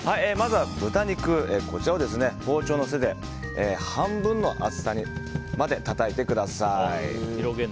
まずは豚肉を包丁の背で半分の厚さまでたたいてください。